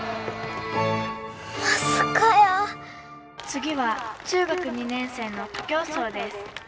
「次は中学２年生の徒競走です」。